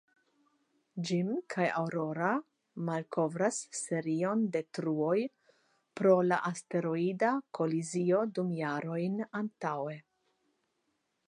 Jim kaj Aurora malkovras serion de truoj pro la asteroida kolizio du jarojn antaŭe.